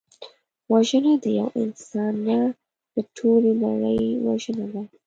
وژنه د یو انسان نه، د ټولي کورنۍ وژنه ده